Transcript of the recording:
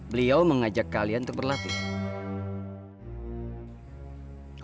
beliau mengajak kalian untuk berlatih